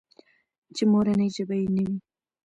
چې مورنۍ ژبه يې نه وي.